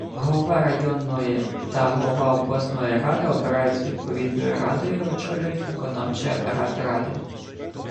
Голова районної та голова обласної ради обираються відповідною радою і очолюють виконавчий апарат ради